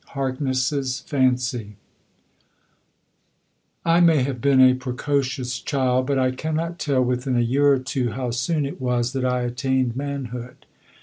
HARKNESS'S FANCY I may have been a precocious child, but I cannot tell within a year or two how soon it was that I attained manhood.